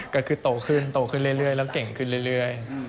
ก็คือโตขึ้นโตขึ้นเรื่อยแล้วเก่งขึ้นเรื่อย